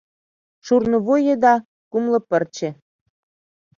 Шурно вуй еда — кумло пырче